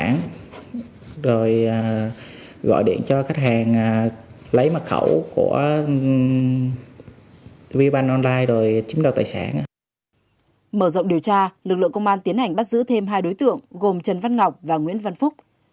mở rộng điều tra lực lượng công an tiến hành bắt giữ thêm hai đối tượng gồm trần văn ngọc và nguyễn văn phúc